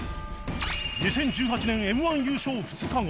２０１８年 Ｍ−１ 優勝２日後